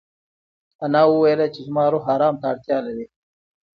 انا وویل چې زما روح ارام ته اړتیا لري.